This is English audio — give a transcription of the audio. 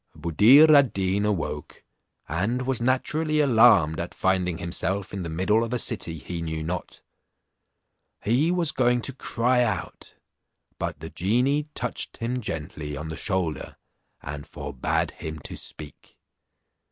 Buddir ad Deen awoke, and was naturally alarmed at finding himself in the middle of a city he knew not; he was going to cry out, but the genie touched him gently on the shoulder, and forbad him to speak.